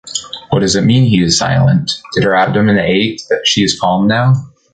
What does it mean he is silent? Did her abdomen ache that she is calm now?